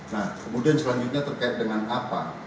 nah kemudian selanjutnya terkait dengan apa